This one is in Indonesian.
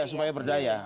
ya supaya berdaya